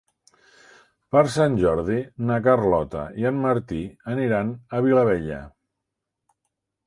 Per Sant Jordi na Carlota i en Martí aniran a Vilabella.